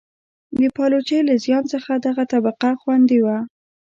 د پایلوچۍ له زیان څخه دغه طبقه خوندي وه.